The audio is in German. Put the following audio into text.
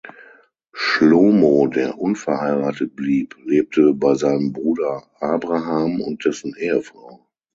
Shlomo, der unverheiratet blieb, lebte bei seinem Bruder Abraham und dessen Ehefrau.